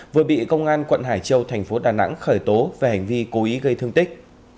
vừa bị công an quận hải châu thành phố đà nẵng khởi tố về hành vi cố ý gây thương tích